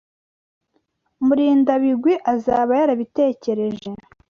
Murindabigwi azaba yarabitekereje.